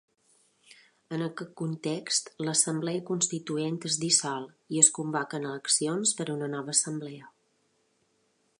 En aquest context, l'Assemblea Constituent es dissol i es convoquen eleccions per una nova Assemblea.